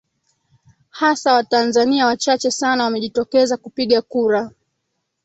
hasa watanzania wachache sana wamejitokeza kupiga kura